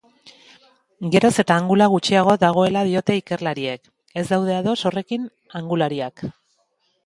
Geroz eta angula gutxiago dagoela diote ikerlariek, ez daude ados horrekin angulariak.